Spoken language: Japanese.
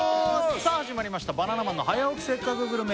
さあ始まりました「バナナマンの早起きせっかくグルメ！！」